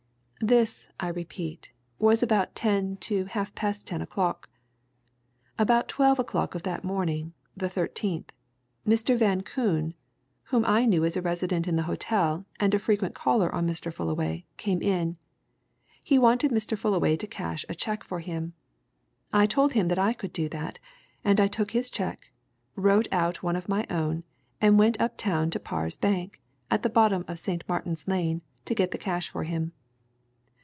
"This, I repeat, was about ten to half past ten o'clock. About twelve o'clock of that morning, the 13th, Mr. Van Koon, whom I knew as a resident in the hotel, and a frequent caller on Mr. Fullaway, came in. He wanted Mr. Fullaway to cash a cheque for him. I told him that I could do that, and I took his cheque, wrote out one of my own and went up town to Parr's Bank, at the bottom of St. Martin's Lane, to get the cash for him.